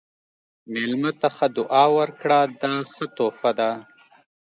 مېلمه ته ښه دعا ورکړه، دا ښه تحفه ده.